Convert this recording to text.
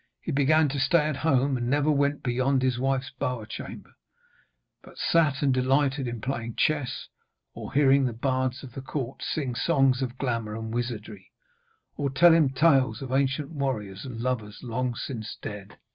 He began to stay at home and never went beyond his wife's bower chamber, but sat and delighted in playing chess, or hearing the bards of the court sing songs of glamour and wizardry, or tell him tales of ancient warriors and lovers, long since dead.